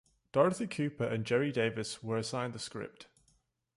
Dorothy Cooper and Jerry Davis were assigned the script.